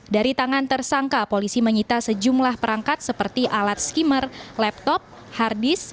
dari tangan tersangka polisi menyita sejumlah perangkat seperti alat skimmer laptop hard disk